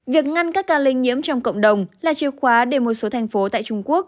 việc ngăn các ca lây nhiễm trong cộng đồng là chìa khóa để một số thành phố tại trung quốc